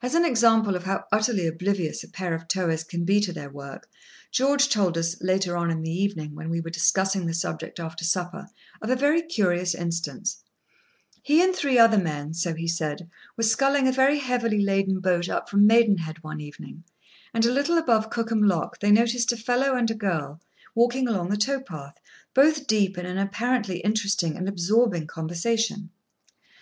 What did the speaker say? As an example of how utterly oblivious a pair of towers can be to their work, George told us, later on in the evening, when we were discussing the subject after supper, of a very curious instance. [Picture: Two people towing, boat adrift] He and three other men, so he said, were sculling a very heavily laden boat up from Maidenhead one evening, and a little above Cookham lock they noticed a fellow and a girl, walking along the towpath, both deep in an apparently interesting and absorbing conversation.